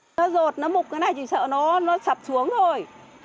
nó rột nó mục cái này thì sợ nó sập xuống thôi